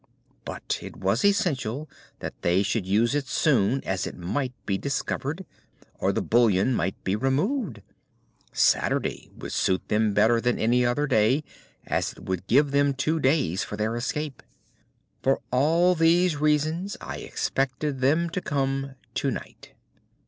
But it was essential that they should use it soon, as it might be discovered, or the bullion might be removed. Saturday would suit them better than any other day, as it would give them two days for their escape. For all these reasons I expected them to come to night."